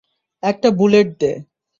একটা বুলেট দে।